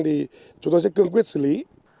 thì chúng tôi sẽ cương quyết xử lý